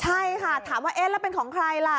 ใช่ค่ะถามว่าเอ๊ะแล้วเป็นของใครล่ะ